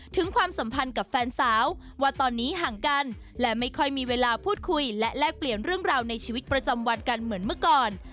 ความสัมพันธ์กับแฟนสาวว่าตอนนี้ห่างกันและไม่ค่อยมีเวลาพูดคุยและแลกเปลี่ยนเรื่องราวในชีวิตประจำวันกันเหมือนเมื่อก่อน